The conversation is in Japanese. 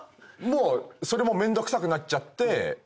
それもめんどくさくなっちゃって今はもう結局。